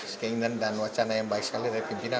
sehingga ingin dan wacana yang baik sekali dari pimpinan